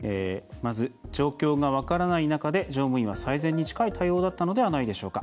「状況が分からない中で乗務員は最善に近い対応だったのではないでしょうか。